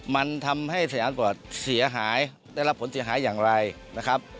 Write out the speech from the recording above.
มันทำให้สยามกอดเสียหายได้รับผลเสียหายอย่างไรนะครับ